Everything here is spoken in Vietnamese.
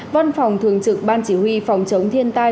văn phòng thường trực ban chỉ huy phòng chống thiên tai